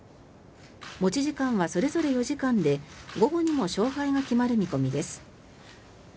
持ち時間はそれぞれ４時間で午後にも勝敗が決まる見込みです。